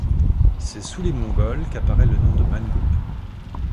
C'est sous les Mongols qu'apparaît le nom de Mangoup.